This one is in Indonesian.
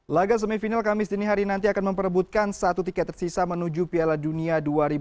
laga semifinal kami setiap hari nanti akan memperebutkan satu tiket tersisa menuju piala dunia dua ribu delapan belas